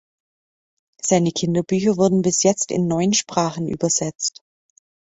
Seine Kinderbücher wurden bis jetzt in neun Sprachen übersetzt.